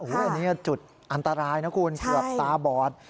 อันนี้จุดอันตรายนะคุณเกือบตาบอด